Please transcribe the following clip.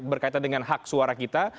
berkaitan dengan hak suara kita